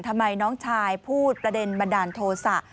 ทำไมน้องชายพูดประเด็นบันดาลโทษะ